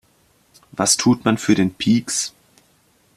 Was tut man für den Pieks?